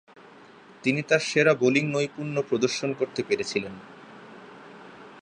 তিনি তার সেরা বোলিংনৈপুণ্য প্রদর্শন করতে পেরেছিলেন।